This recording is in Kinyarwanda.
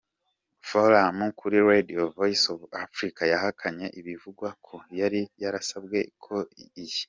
forum kuri radio Voice of Africa yahakanye ibivugwa ko yari yarasabwe ko iyi.